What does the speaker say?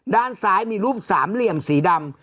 ด้านซ้ายมีรูปสามเหลี่ยมสีดำ